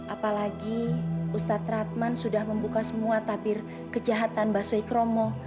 apalagi ustaz ratman sudah membuka semua tabir kejahatan basoikromo